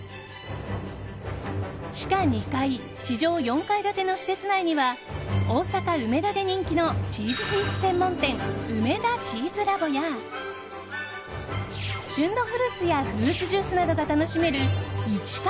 地下２階、地上４階建ての施設内には大阪・梅田で人気のチーズスイーツ専門店ウメダチーズラボや旬のフルーツやフルーツジュースなどが楽しめる一果